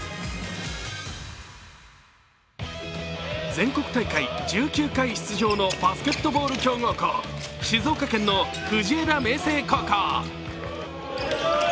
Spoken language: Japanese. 全国大会１９回出場のバスケットボール強豪校、静岡県の藤枝明誠高校。